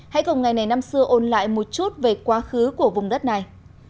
hãy cùng ngày này năm xưa ôn lại một chút về quá khứ của vùng đất này